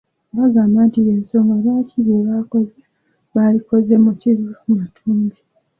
Bagamba nti y'ensonga lwaki bye baakoze baabikoze mu kiro matumbi.